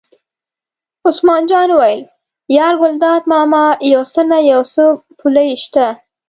عثمان جان وویل: یار ګلداد ماما یو څه نه څه پولې شته.